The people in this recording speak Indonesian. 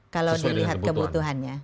kalau dilihat kebutuhannya